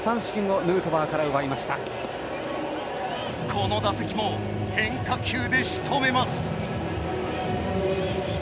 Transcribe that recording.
この打席も変化球でしとめます。